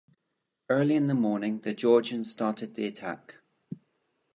Early in the morning, the Georgians started the attack.